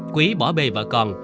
quý bỏ bê vợ con